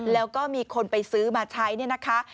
แล้วก็มีคนไปซื้อมาใช้เนี่ยนะคะ